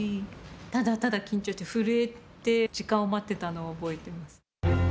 ただただ緊張して、震えて時間を待ってたのを覚えてます。